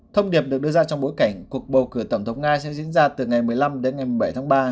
thông điệp được đưa ra trong bối cảnh cuộc bầu cử tổng thống nga sẽ diễn ra từ ngày một mươi năm đến ngày bảy tháng ba